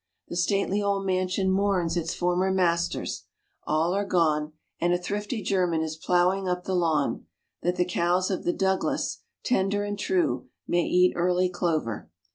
The stately old mansion mourns its former masters all are gone and a thrifty German is plowing up the lawn, that the cows of the Douglas (tender and true) may eat early clover.